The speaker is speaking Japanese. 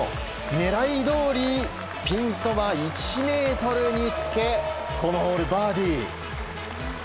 狙いどおりピンそば１ｍにつけこのホール、バーディー。